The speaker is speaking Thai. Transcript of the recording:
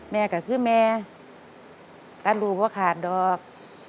แม่ก็คือแม่ถ้าลูกก็ขาดดอก